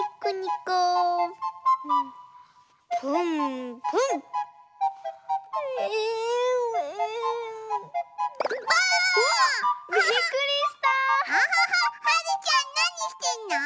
キャハハはるちゃんなにしてんの？